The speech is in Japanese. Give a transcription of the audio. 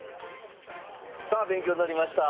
さあ勉強になりました。